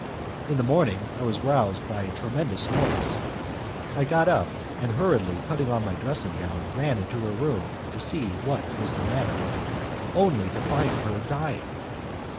In the morning I was roused by a tremendous noise. I got up, and hurriedly putting on my dressing gown ran into her room to see what was the matter, only to find her dying.